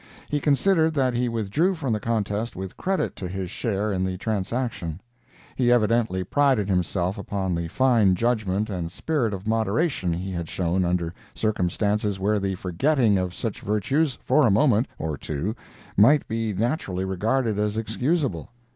He considered that he withdrew from the contest with credit to his share in the transaction; he evidently prided himself upon the fine judgment and spirit of moderation he had shown under circumstances where the forgetting of such virtues for a moment or two might be naturally regarded as excusable.